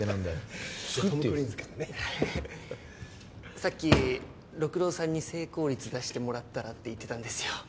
さっき六郎さんに成功率出してもらったら？って言ってたんですよ。